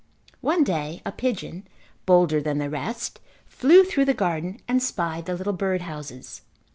One day a pigeon, bolder than the rest, flew through the garden and spied the little bird houses.